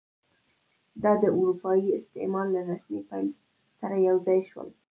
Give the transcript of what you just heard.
دا د اروپایي استعمار له رسمي پیل سره یو ځای شول.